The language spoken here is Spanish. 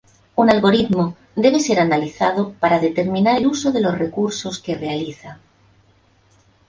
Un algoritmo debe ser analizado para determinar el uso de los recursos que realiza.